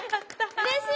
うれしい！